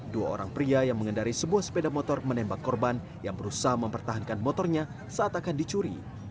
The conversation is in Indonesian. dua orang pria yang mengendari sebuah sepeda motor menembak korban yang berusaha mempertahankan motornya saat akan dicuri